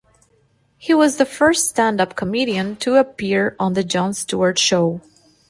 He was the first standup comedian to appear on The Jon Stewart Show.